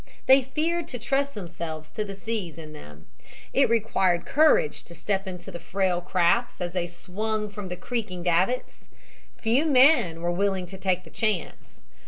They feared to trust themselves to the seas in them. It required courage to step into the frail crafts as they swung from the creaking davits. Few men were willing to take the chance.